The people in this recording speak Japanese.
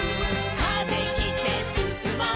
「風切ってすすもう」